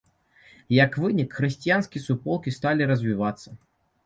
Як вынік, хрысціянскія суполкі сталі развівацца.